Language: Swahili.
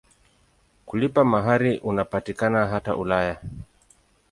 Kulipa mahari unapatikana hata Ulaya.